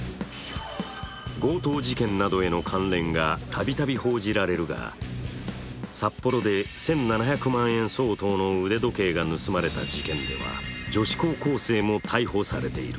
強盗事件などへの関連がたびたび報じられるが札幌で１７００万円相当の腕時計が盗まれた事件では女子高校生も逮捕されている。